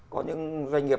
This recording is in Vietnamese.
có những doanh nghiệp